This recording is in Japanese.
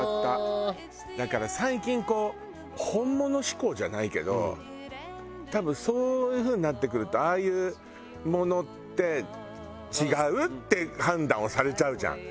だから最近こう本物志向じゃないけど多分そういう風になってくるとああいうものって違うって判断をされちゃうじゃん。